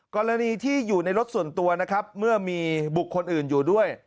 กรณีที่อยู่ในรถส่วนตัวนะครับเมื่อมีบุคคลอื่นอยู่ด้วย